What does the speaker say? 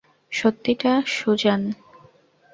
সত্যিটা, সুজ্যান।